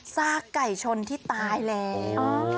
ซากไก่ชนที่ตายแล้ว